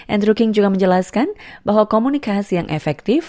andrew king juga menjelaskan bahwa komunikasi yang efektif